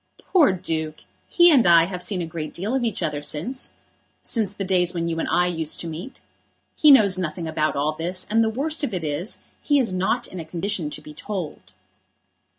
"Poor Duke! He and I have seen a great deal of each other since, since the days when you and I used to meet. He knows nothing about all this, and the worst of it is, he is not in a condition to be told."